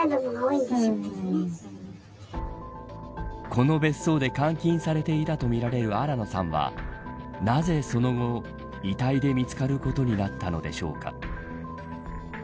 この別荘で監禁されていたとみられる新野さんはなぜその後遺体で見つかることになったのでしょうか。